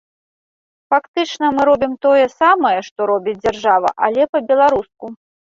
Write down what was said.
Фактычна мы робім тое самае, што робіць дзяржава, але па-беларуску.